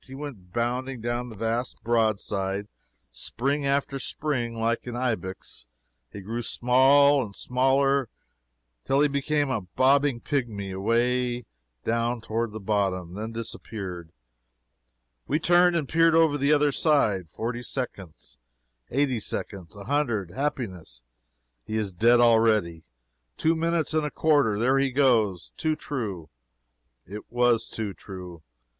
He went bounding down the vast broadside, spring after spring, like an ibex. He grew small and smaller till he became a bobbing pigmy, away down toward the bottom then disappeared. We turned and peered over the other side forty seconds eighty seconds a hundred happiness, he is dead already! two minutes and a quarter "There he goes!" Too true it was too true.